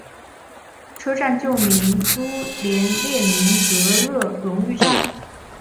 车站旧名苏联列宁格勒荣誉站。